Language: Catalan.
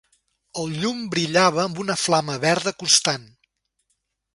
El llum brillava amb una flama verda constant.